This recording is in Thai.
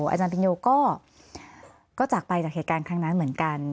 อาจารย์ปินโยก็จากไปจากเหตุการณ์ครั้งนั้นเหมือนกัน